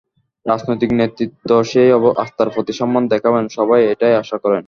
রাজনৈতিক নেতৃত্ব সেই আস্থার প্রতি সম্মান দেখাবেন, সবাই এটাই আশা করেন।